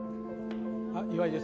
岩井です